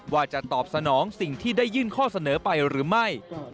ว่าจะตอบสนองสิ่งที่ได้ยื่นข้อเสนอไปหรือไม่